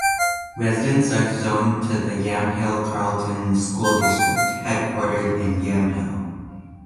Residents are zoned to the Yamhill Carlton School District, headquartered in Yamhill.